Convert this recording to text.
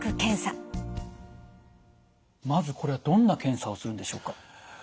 まずこれどんな検査をするんでしょうか？